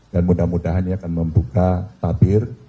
dan mudah mudahan ia akan membuka tabir